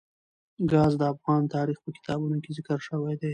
ګاز د افغان تاریخ په کتابونو کې ذکر شوی دي.